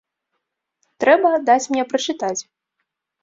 Трэба даць мне прачытаць.